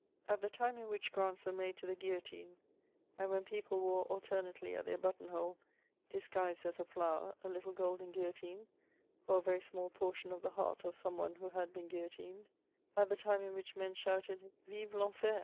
At the time in which grants were made to the guilloiane, and when people wore alternately at.their buttonhole, disguised as a flower, a Uttle gdLd^i guillotine, or a very small portion of the heart of some one who had been guillotined ; at the time in which men shouted Vive Venfer!